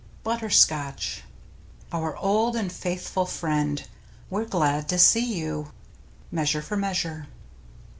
BUTTER SCOTCH Our old and faithful friend. We're glad to see you. — Measure for Measure.